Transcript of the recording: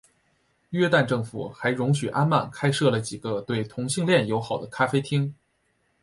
约旦政府还容许安曼开设了几个对同性恋友好的咖啡厅。